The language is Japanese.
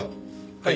はい。